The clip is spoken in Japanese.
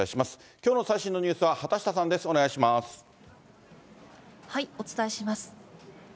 きょうの最新のニュースは畑下さんです、お伝えします。